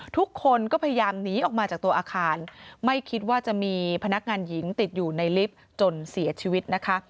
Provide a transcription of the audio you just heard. ทุกคนก็พยายามหนีออกมาจากตัวอาคารไม่คิดว่าจะมีพนักงานหญิงติดอยู่ในลิฟต์จนเสียชีวิตนะคะ